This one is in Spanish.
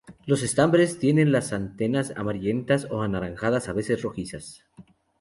Los estambres tienen las anteras amarillentas o anaranjadas, a veces rojizas.